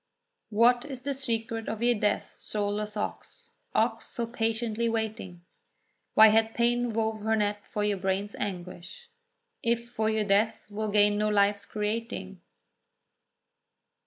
What is the secret of your death, soulless ox, Ox so patiently waiting? Why hath pain wove her net for your brain's anguish If for you Death will gain no life's creating?